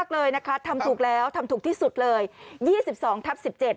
แล้วทำถูกที่สุดเลย๒๒ทับ๑๗